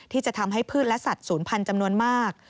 ที่จะทำให้พืชและสัตว์ศูนย์พันธุ์จำนวนมาก